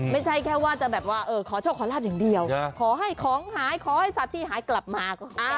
ไม่ใช่แค่ว่าจะแบบว่าขอโชคขอลาบอย่างเดียวขอให้ของหายขอให้สัตว์ที่หายกลับมาก็